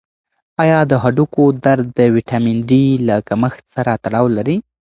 آیا د هډوکو درد د ویټامین ډي له کمښت سره تړاو لري؟